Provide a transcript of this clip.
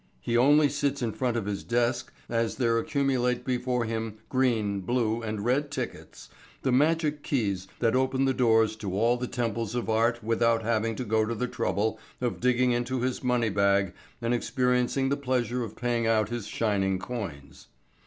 He only sits in front of his desk, as there accumulate before him green, blue, and red tickets, the magic keys that open the doors to all the temples of art without having to go to the trouble of digging into his money bag and experiencing the pleasure of paying out his shining coins.